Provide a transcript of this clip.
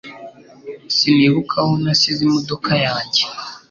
Sinibuka aho nasize imodoka yanjye